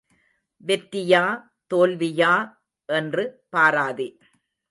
வெற்றியா தோல்வியா என்று பாராதே.